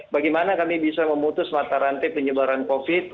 bagaimana kami bisa memutus mata rantai penyebaran covid